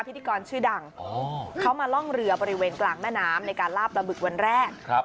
พิธีกรชื่อดังเขามาล่องเรือบริเวณกลางแม่น้ำในการลาบปลาบึกวันแรก